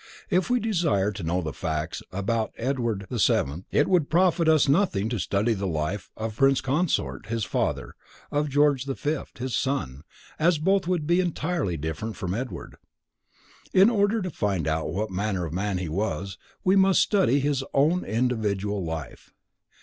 If we desire to know the facts about Edward VII, it would profit us nothing to study the life of the Prince Consort, his father, or of George V, his son, as both would be entirely different from Edward. In order to find out what manner of man he was, we must study his own individual life.